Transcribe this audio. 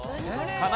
かな